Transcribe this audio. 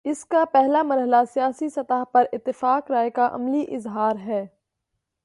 اس کا پہلا مرحلہ سیاسی سطح پر اتفاق رائے کا عملی اظہار ہے۔